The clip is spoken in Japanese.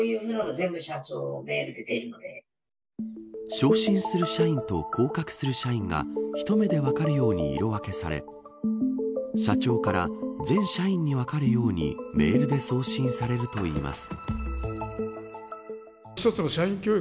昇進する社員と降格する社員が一目で分かるように色分けされ社長から全社員に分かるようにメールで送信されるといいます。